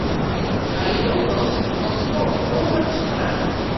Алибай тос, Носков, толза тышкырак.